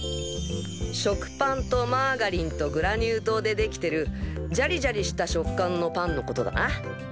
食パンとマーガリンとグラニュー糖で出来てるジャリジャリした食感のパンのことだな。